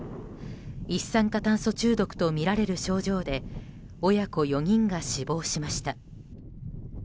一酸化炭素中毒とみられる症状で親子４人が死亡しました。